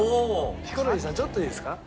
ヒコロヒーさんちょっといいですか？